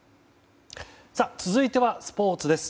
続いてはスポーツです。